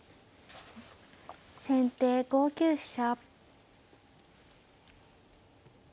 先手５九飛車。